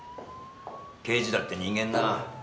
刑事だって人間だ。